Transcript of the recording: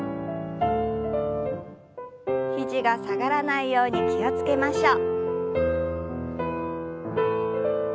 肘が下がらないように気を付けましょう。